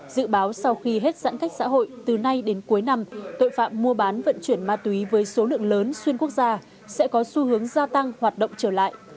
dự báo sau khi hết giãn cách xã hội từ nay đến cuối năm tội phạm mua bán vận chuyển ma túy với số lượng lớn xuyên quốc gia sẽ có xu hướng gia tăng hoạt động trở lại